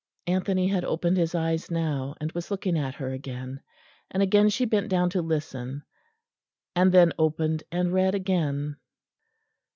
Anthony had opened his eyes now and was looking at her again; and again she bent down to listen; ... and then opened and read again.